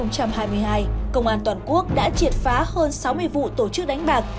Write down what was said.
công an toàn quốc đã triệt phá hơn sáu mươi vụ tổ chức đánh bạc